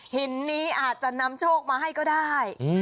หินนี้อาจจะนำโชคมาให้ก็ได้